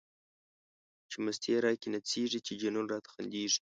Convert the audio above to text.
چی مستی را کی نڅیږی، چی جنون راته خندیږی